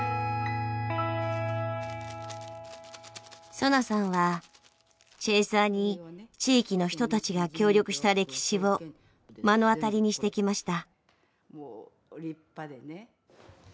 ソナさんはチェーサーに地域の人たちが協力した歴史を目の当たりにしてきました。